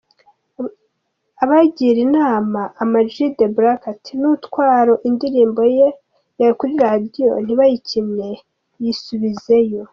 Abagira inama, AmaG the Black, ati “Nutwara indirimbo yawe kuri Radio ntibayikine yisubizeyo.